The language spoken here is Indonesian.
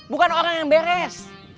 bukan orang yang beres